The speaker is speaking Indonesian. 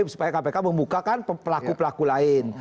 supaya kpk membuka kan pelaku pelaku lain